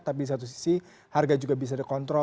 tapi di satu sisi harga juga bisa dikontrol